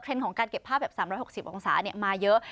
ของการเก็บภาพแบบ๓๖๐องศามาเยอะ